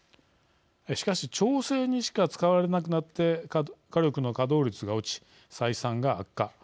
しかし調整にしか使われなくなって火力の稼働率が落ち、採算が悪化。